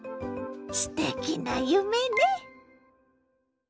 すてきな夢ね！